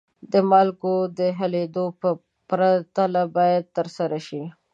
د مالګو د حلیدو پرتله باید ترسره شي.